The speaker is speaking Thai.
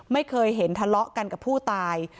ไม่เคยเห็นทะเลาะกันกับผู้ตาย